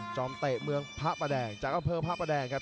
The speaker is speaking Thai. อมเตะเมืองพระประแดงจากอำเภอพระประแดงครับ